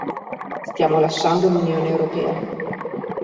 Stiamo lasciando l'Unione Europea.